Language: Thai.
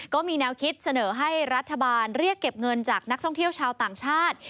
ก็มีแนวคิดเสนอให้รัฐบาลเรียกเก็บเงินจากนักท่องเที่ยวชาวต่างชาติ